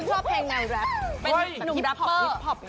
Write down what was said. คุณชอบเพลงไหนแร็ป